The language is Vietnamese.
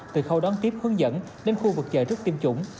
từ khâu đón tiếp hướng dẫn đến khu vực chờ trước tiêm chủng